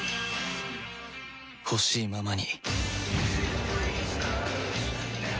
ほしいままに